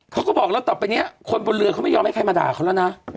เขาบอกแล้วต่อไปนี้คนบนเรือเขาไม่ยอมให้ใครมาด่าเขาแล้วนะ